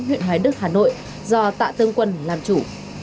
huyện hoài đức hà nội do tạ tương quân làm chủ